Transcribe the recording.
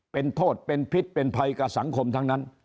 เป็นโทษเป็นพิษเป็นภัยกับสังคมทั้งนั้น